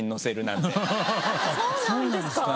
そうなんですか？